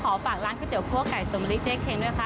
ในภาษาล่างทำจี่เตี๋ยวขัวไก่สวนบัลลี่เจ๊เค้งด้วยค่ะ